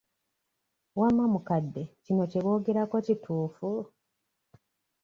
Wamma mukadde kino kye boogerako kituufu?